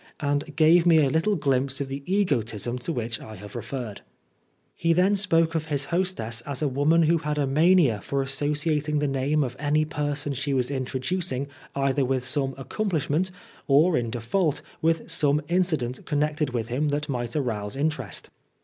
and gave me a little glimpse of the egotism to which I have referred. He then spoke of his hostess as a woman who had a mania for associating the name of any person she was introducing either with some accom plishment, or, in default, with some incident 69 Oscar Wilde connected with him which might arouse interest.